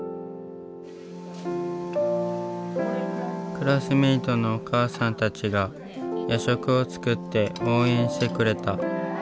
クラスメートのお母さんたちが夜食を作って応援してくれた。